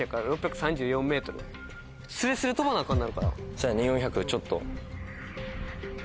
そやね４００ちょっと。